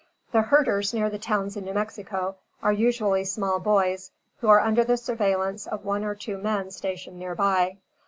The herders, near the towns in New Mexico, are usually small boys, who are under the surveillance of one or two men stationed near by.